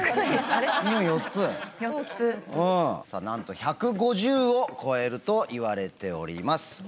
なんと１５０を超えるといわれております。